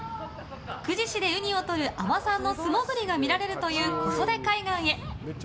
久慈市でウニをとる海女さんの素潜りが見られるという小袖海岸へ。